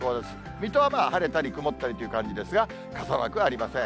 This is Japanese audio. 水戸はまあ、晴れたり曇ったりという感じですが、傘マークはありません。